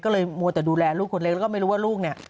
ก็เลยมัวแต่ดูแลลูกคนเล็กแล้วก็ไม่รู้ว่าลูกเนี่ย